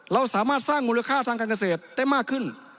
เราสามารถสร้างมูลค่าทางการเกษตรได้มากขึ้น